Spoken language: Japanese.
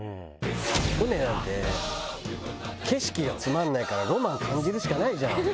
船なんて景色がつまらないからロマン感じるしかないじゃん。